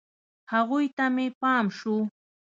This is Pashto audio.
هغوی ته مې پام شو.